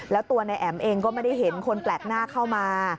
แล้วตัวนายแอ๋มเองก็ไม่ได้เห็นคนแปลกหน้าเข้ามา